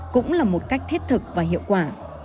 cũng là một cách thiết thực và hiệu quả